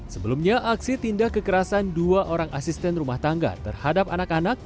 sebelumnya aksi tindak kekerasan dua orang asisten rumah tangga terhadap anak anak